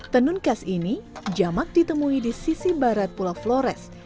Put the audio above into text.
tenun khas ini jamak ditemui di sisi barat pulau flores